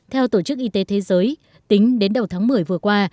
theo tổ chức y tế thế giới tính đến đầu tháng một mươi vừa qua